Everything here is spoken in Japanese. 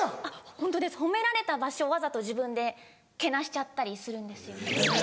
ホントです褒められた場所わざと自分でけなしちゃったりするんですよ。